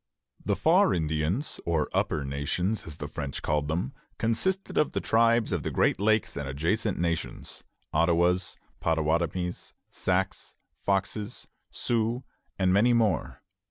The "Far Indians," or "Upper Nations," as the French called them, consisted of the tribes of the Great Lakes and adjacent regions, Ottawas, Pottawattamies, Sacs, Foxes, Sioux, and many more.